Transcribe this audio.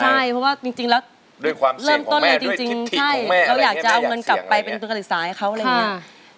ใช่เพราะว่าจริงแล้วเริ่มต้นเลยจริงเราอยากจะเอาเงินกลับไปเป็นตัวคติศาสตร์ให้เขาอะไรอย่างนี้